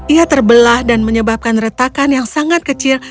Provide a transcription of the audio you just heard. ia terbelah dan menyebabkan retakan yang sangat kecil